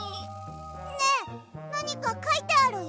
ねえなにかかいてあるよ。